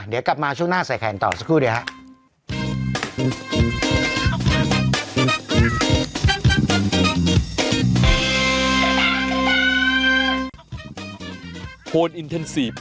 เดี๋ยวกลับมาช่วงหน้าใส่แขนต่อสักครู่เดี๋ยวครับ